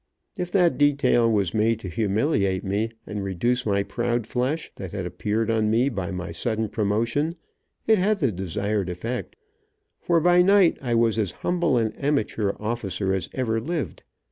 If that detail was made to humiliate me, and reduce my proud flesh, that had appeared on me by my sudden promotion, it had the desired effect, for before night I was as humble an amateur officer as ever lived.